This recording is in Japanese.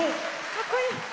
かっこいい！